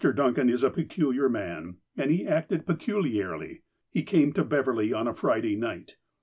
Duncan is a peculiar man, and he acted peculiarly. He came to Beverley on a Friday night.